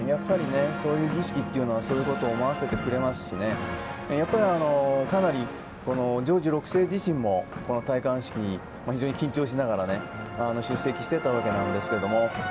そういう儀式というのはそういうことを思わせてくれますしかなりジョージ６世自身も戴冠式に非常に緊張しながら出席していたわけなんですが。